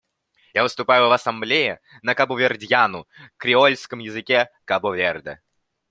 Я выступаю в Ассамблее на кабувердьяну — креольском языке Кабо-Верде.